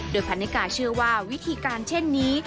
โดยพันนิกาเชื่อว่าวิธีการเช่นนี้